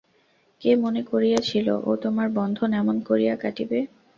কে মনে করিয়াছিল, ও তোমার বন্ধন এমন করিয়া কাটিবে।